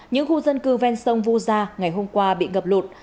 những khu dân cư ven sông vu gia ngày hôm qua bị ngập lụt